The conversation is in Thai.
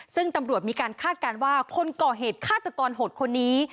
ซึ่งตำรวจมีการคาดการณ์ว่าคนก่อเหตุฆาตกรโหดคนนี้